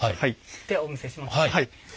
ではお見せします。